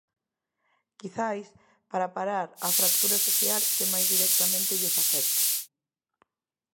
Quizais para parar a fractura social que máis directamente lles afecta.